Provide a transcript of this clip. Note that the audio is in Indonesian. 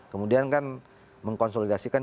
kemudian kan mengkonsolidasikan